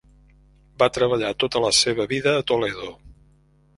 Va treballar tota la seva vida a Toledo.